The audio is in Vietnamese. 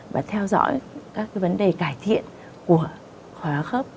và theo dõi các vấn đề cải thiện của hóa khớp